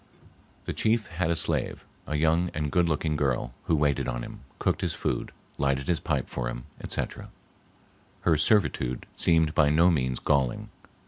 The chief had a slave, a young and good looking girl, who waited on him, cooked his food, lighted his pipe for him, etc. Her servitude seemed by no means galling.